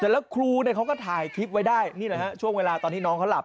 แล้วครูเนี่ยเขาก็ถ่ายคลิปไว้ได้นี่แหละฮะช่วงเวลาตอนที่น้องเขาหลับ